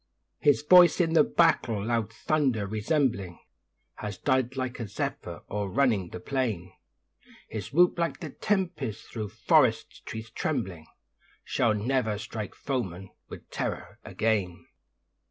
His voice in the battle, loud thunder resembling, Has died like a zephyr o'errunning the plain; His whoop like the tempest thro' forest trees trembling, Shall never strike foemen with terror again.